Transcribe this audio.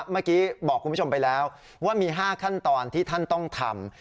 เมื่อกี้บอกคุณผู้ชมไปแล้วว่ามี๕ขั้นตอนที่ท่านต้องทำ